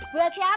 buat siapa be